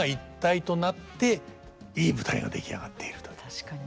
確かに。